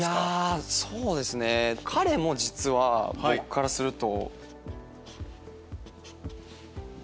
そうですねぇ彼も実は僕からすると。